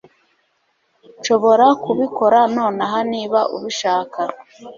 nshobora kubikora nonaha niba ubishaka